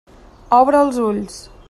Obre els ulls.